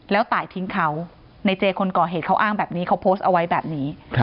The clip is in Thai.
แล้วตายทิ้งเขาในเจคนก่อเหตุเขาอ้างแบบนี้เขาโพสต์เอาไว้แบบนี้